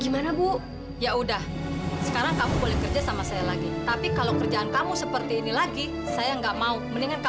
maya pasti cari lagi deh